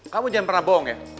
kamu jangan pernah bohong ya